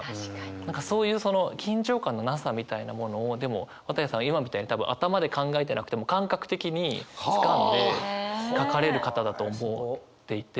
何かそういうその緊張感のなさみたいなものをでも綿矢さんは今みたいに多分頭で考えてなくても感覚的につかんで書かれる方だと思っていて。